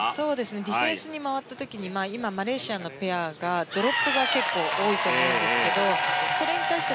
ディフェンスに回った時に今、マレーシアのペアがドロップが結構、多いと思うんですけどそれに対して